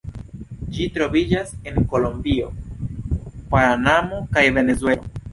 Ĝi troviĝas en Kolombio, Panamo kaj Venezuelo.